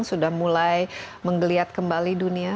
sudah mulai menggeliat kembali dunia